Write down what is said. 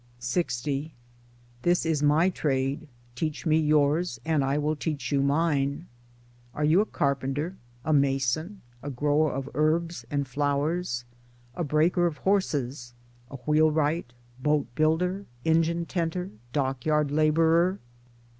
LX This is my trade ; teach me yours and I will teach you mine. Are you a carpenter, a mason, a grower of herbs and flowers, a breaker of horses? a wheel wright, boat builder, engine tenter, dockyard laborer